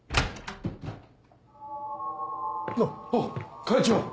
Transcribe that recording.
あっ会長！